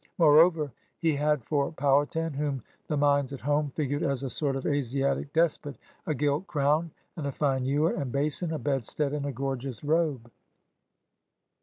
Moreover, he had for Powhatan, whom the minds at home figured as a sort of Asiatic Despot, a gilt crown and a fine ewer and basin, a bedstead, and a gorgeous robe.